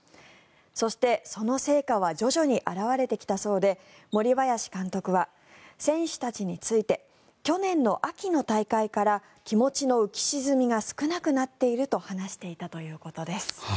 そして、その成果は徐々に表れてきたそうで森林監督は選手たちについて去年の秋の大会から気持ちの浮き沈みが少なくなっていると話していたということです。